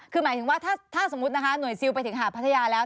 คือหมายถึงว่าถ้าสมมุตินะคะหน่วยซิลไปถึงหาดพัทยาแล้ว